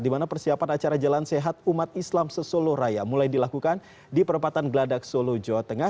di mana persiapan acara jalan sehat umat islam sesolo raya mulai dilakukan di perempatan geladak solo jawa tengah